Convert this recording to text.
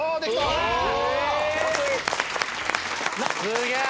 すげえ！